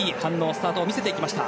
スタートを見せていきました。